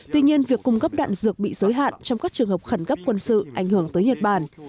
tuy nhiên việc cung cấp đạn dược bị giới hạn trong các trường hợp khẩn cấp quân sự ảnh hưởng tới nhật bản